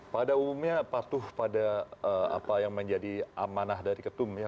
pada umumnya patuh pada apa yang menjadi amanah dari ketum ya